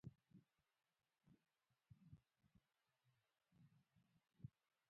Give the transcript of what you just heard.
د اوبو سرچینې د افغانستان د ټولنې لپاره بنسټيز رول لري.